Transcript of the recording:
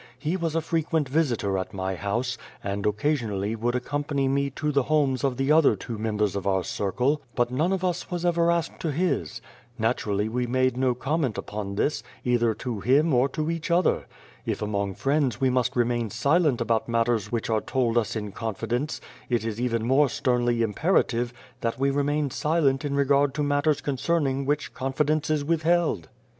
He was a frequent visitor at my house, and occasionally would accompany me to the homes of the other two members of our circle ; but none of us was ever asked to his. Naturally we made no comment upon this, either to him or to each other. If among friends we must remain silent about matters which are told us in confi dence, it is even more sternly imperative that we remain silent in regard to matters concern ing which confidence is withheld.